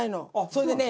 それでね